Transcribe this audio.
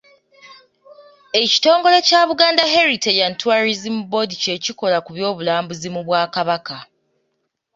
Ekitongole kya Buganda Heritage and Tourism Board kye kikola ku by'obulambuzi mu Bwakabaka.